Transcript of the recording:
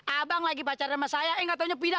abang lagi pacaran sama saya eh gak taunya pindah